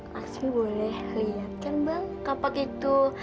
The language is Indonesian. laksmi boleh lihat kan bang kapak itu